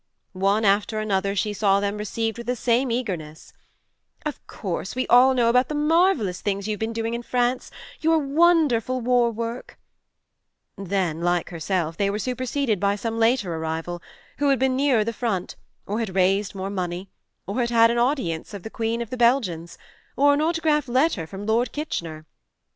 One after another she saw them received with the same eagerness " Of course we all know about the marvellous things you've been doing in France your wonderful war work" then, like herself, they were superseded by some later arrival, who had been nearer the front, or had raised more money, or had had an audience of the Queen of the Belgians, or an autograph letter from Lord Kitchener.